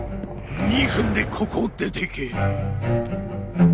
２分でここを出ていけ！